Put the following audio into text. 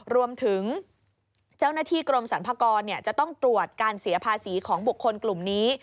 รวมถึงเจ้าหน้าที่กรมสรรพากรจะต้องตรวจการเสียภาษีของบุคคลกลุ่มนี้